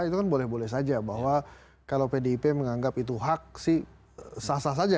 itu kan boleh boleh saja bahwa kalau pdip menganggap itu hak sih sah sah saja